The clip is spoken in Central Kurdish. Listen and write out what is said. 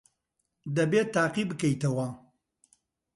دەبێت تاقی بکەیتەوە.